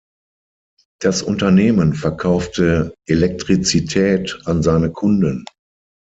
Das Unternehmen verkaufte Elektrizität an seine Kunden.